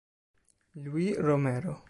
Luis Romero